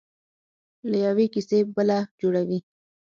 له یوې کیسې بله جوړوي.